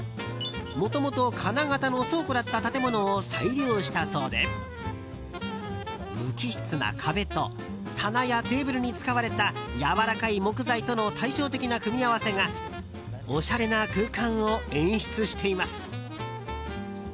もともと金型の倉庫だった建物を再利用したそうで無機質な壁と棚やテーブルに使われたやわらかい木材との対照的な組み合わせがおしゃれな空間を演出しています。